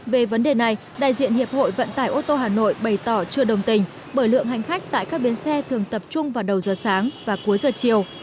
về vấn đề này đại diện hiệp hội vận tải ô tô hà nội bày tỏ chưa đồng tình bởi lượng hành khách tại các bến xe thường tập trung vào đầu giờ sáng và cuối giờ chiều